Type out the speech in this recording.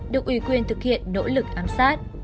được ủy quyền thực hiện nỗ lực ám sát